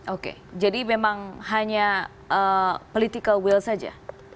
oke jadi memang hanya political will saja